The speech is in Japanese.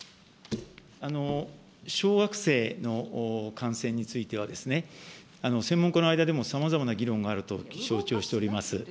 小学生の感染については、専門家の間でもさまざまな議論があると承知しております。